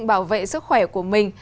bảo vệ sức khỏe của mình